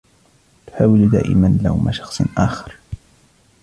تحاول دائما لوم شخص آخر.